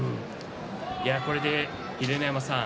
これで秀ノ山さん